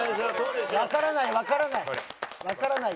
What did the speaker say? わからないわからない。